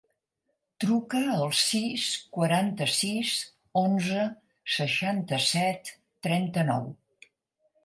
Truca al sis, quaranta-sis, onze, seixanta-set, trenta-nou.